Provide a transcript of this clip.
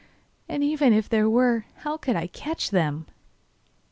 And, even if there were, how could I catch them?